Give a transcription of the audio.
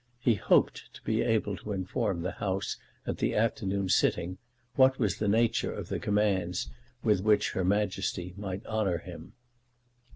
He hoped to be able to inform the House at the afternoon sitting, what was the nature of the commands with which Her Majesty might honour him.